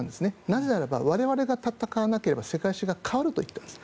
なぜならば、我々が戦わなければ世界史が変わると言っています。